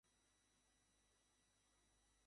সুন্দর দেখে একটা কবিতা লিখে তাকে প্রপোজ করো।